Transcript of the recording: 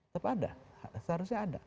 tetap ada seharusnya ada